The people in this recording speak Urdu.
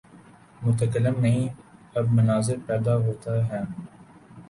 متکلم نہیں، اب مناظر پیدا ہوتے ہیں۔